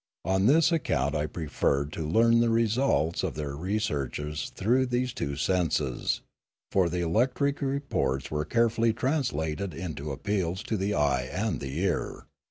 On this account I pre ferred to learn the results of their researches through these two senses, for the electric reports were carefully translated into appeals to the eye and the ear.